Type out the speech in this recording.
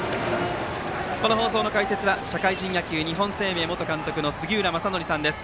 この放送の解説は社会人野球、日本生命元監督の杉浦正則さんです。